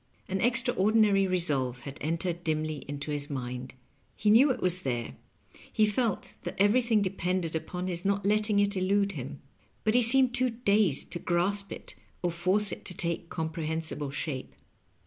An extraordinary resolve had entered dimly into his mind. He knew it was there, he felt that everything depended upon his not letting it elude him ; but he seemed too dazed to grasp it or force it to take comprehensible shape.